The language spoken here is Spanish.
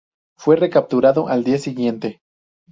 Fue recapturado al día siguiente.